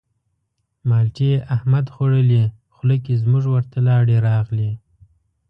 مالټې احمد خوړلې خوله کې زموږ ورته لاړې راغلې.